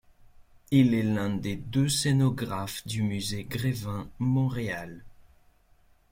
Il est l'un des deux scénographes du Musée Grévin Montréal.